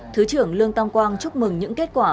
thứ trưởng lương tam quang chúc mừng những kết quả